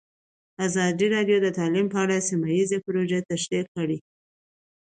ازادي راډیو د تعلیم په اړه سیمه ییزې پروژې تشریح کړې.